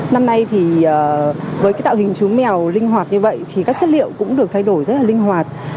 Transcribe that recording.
năm nay thì với cái tạo hình chú mèo linh hoạt như vậy thì các chất liệu cũng được thay đổi rất là linh hoạt